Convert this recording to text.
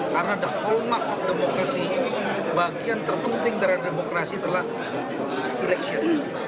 karena the hallmark of demokrasi bagian terpenting dari demokrasi adalah election